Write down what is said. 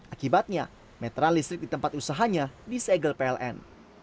akibatnya metral listrik di tempat usahanya disegel pln